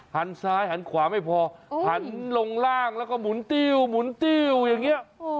หันซ้ายหันขวาไม่พอหันลงล่างแล้วก็หมุนติ๊วอย่างเนี่ย